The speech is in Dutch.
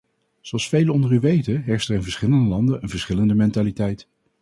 Zoals velen onder u weten, heerst er in verschillende landen een verschillende mentaliteit.